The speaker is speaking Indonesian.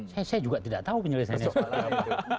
saya juga tidak tahu penyelesaiannya soal apa